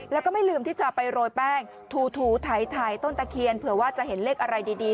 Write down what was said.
แล้วก็ไม่ลืมที่จะไปโรยแป้งถูถ่ายต้นตะเคียนเผื่อว่าจะเห็นเลขอะไรดี